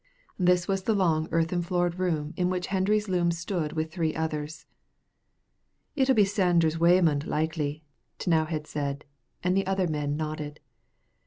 This was the long earthen floored room in which Hendry's loom stood with three others. "It'll be Sanders Whamond likely," T'nowhead said, and the other men nodded.